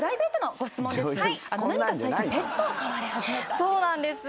そうなんです。